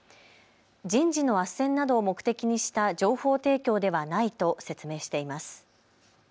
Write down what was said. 人事のあっせんなどを目的にした情報提供ではないと説明しています。